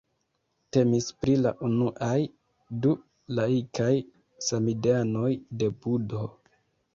Temis pri la unuaj du laikaj samideanoj de Budho.